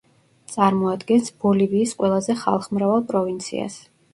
წარმოადგენს ბოლივიის ყველაზე ხალხმრავალ პროვინციას.